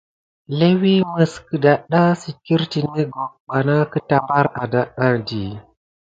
Léwi mis gəldada sit kirti mimeko keta bana bar adati.